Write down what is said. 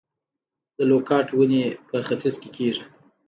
د لوکاټ ونې په ختیځ کې کیږي؟